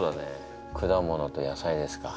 果物と野菜ですか。